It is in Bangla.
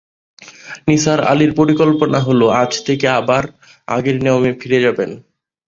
নিসার আলির পরিকল্পনা হল, আজ থেকে আবার আগের নিয়মে ফিরে যাবেন।